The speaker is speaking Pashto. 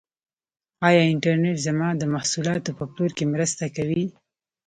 آیا انټرنیټ زما د محصولاتو په پلور کې مرسته کوي؟